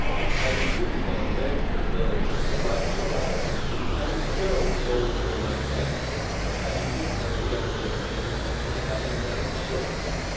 Had he really then been to the village of the blacks at all, had he killed the old Gomangani, had he eaten of the elephant meat, had he been sick?